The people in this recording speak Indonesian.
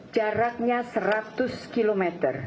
jaraknya seratus km